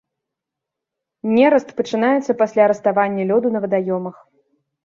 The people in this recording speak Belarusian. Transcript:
Нераст пачынаецца пасля раставання лёду на вадаёмах.